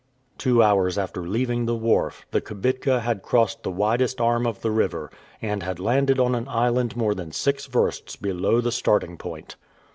Two hours after leaving the wharf, the kibitka had crossed the widest arm of the river, and had landed on an island more than six versts below the starting point.